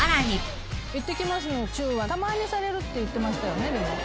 たまにされるって言ってましたよね。